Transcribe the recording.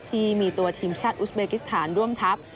ที่มีตัวทีมชาติอุสเบกิสถานร่วมทัพ